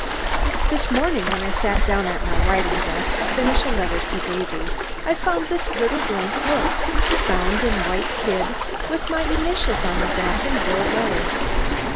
This morning when I sat down at my writing desk to finish a letter to Davy, I found this little blank book, bound in white kid, with my initials on the back in gold letters.